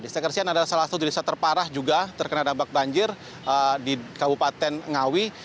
desa kersian adalah salah satu desa terparah juga terkena dampak banjir di kabupaten ngawi